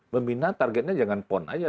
membina targetnya jangan pon aja